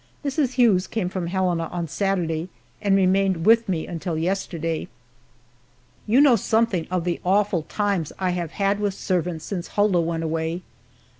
Mrs. Hughes came from Helena on Saturday and remained with me until yesterday. You know something of the awful times I have had with servants since Hulda went away!